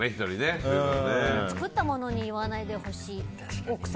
作ったものに言わないでほしい。